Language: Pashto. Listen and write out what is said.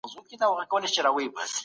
په دغي کښۍ کي د کوچني حقوق بیان سوي دي.